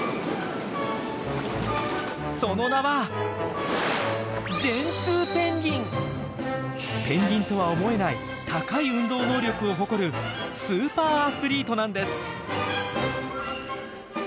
その名はペンギンとは思えない高い運動能力を誇るスーパーアスリートなんです！